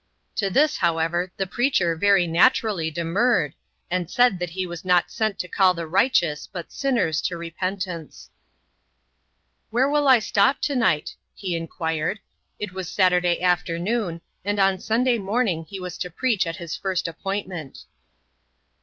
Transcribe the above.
To this, however, the preacher very naturally demurred, and said that he was not sent to call the righteous, but sinners, to repentance. "Where will I stop to night?" he inquired. It was Saturday afternoon, and on Sunday morning he was to preach at his first appointment.